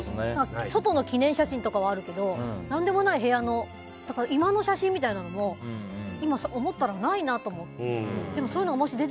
外の記念写真とかはあるけど何でもない部屋の居間の写真みたいなものも今、思ったらないなと思って。